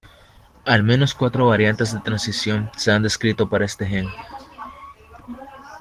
Al menos cuatro variantes de transcripción se han descrito para este gen.